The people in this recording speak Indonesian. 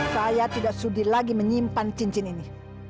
saya tidak sedih lagi menyimpan cincin ini